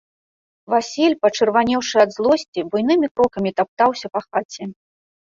Васіль, пачырванеўшы ад злосці, буйнымі крокамі таптаўся па хаце.